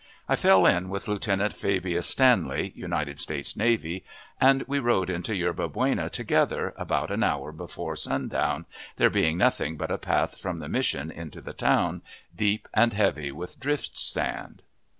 I fell in with Lieutenant Fabius Stanley, United States Navy, and we rode into Yerba Buena together about an hour before sundown, there being nothing but a path from the Mission into the town, deep and heavy with drift sand.